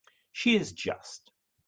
She is just.